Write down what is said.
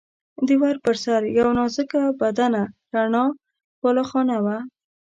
د ور پر سر یوه نازک بدنه رڼه بالاخانه وه.